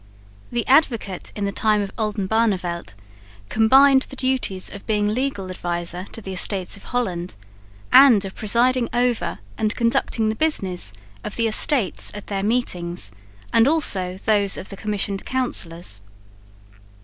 The Advocate in the time of Oldenbarneveldt combined the duties of being legal adviser to the Estates of Holland, and of presiding over and conducting the business of the Estates at their meetings, and also those of the Commissioned Councillors.